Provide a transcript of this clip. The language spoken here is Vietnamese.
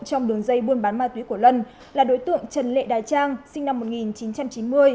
trong đường dây buôn bán ma túy của lân là đối tượng trần lệ đài trang sinh năm một nghìn chín trăm chín mươi